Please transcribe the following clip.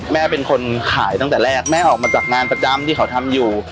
แม่เป็นคนขายตั้งแต่แรกแม่ออกมาจากงานประจำที่เขาทำอยู่